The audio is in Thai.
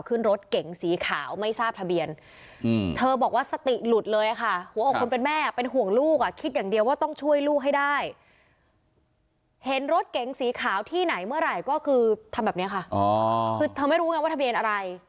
คือที่เธอไม่รู้นักว่าทะเบียนอะไร